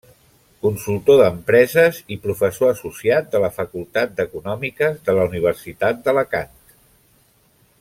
Consultor d’Empreses i professor associat de la Facultat d’Econòmiques de la Universitat d’Alacant.